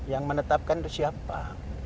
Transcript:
yang menetapkan itu siapa